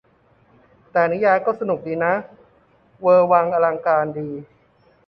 แต่นิยายก็สนุกดีนะ เวอร์วังอลังการดี